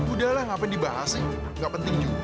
udahlah ngapain dibahas sih gak penting juga